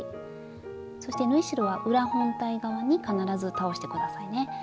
そして縫い代は裏本体側に必ず倒して下さいね。